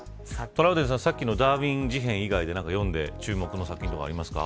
トラウデンさん、さっきのダーウィン事変以外で読んで注目の作品はありますか。